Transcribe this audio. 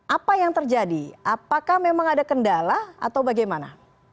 apa yang terjadi apakah memang ada kendala atau bagaimana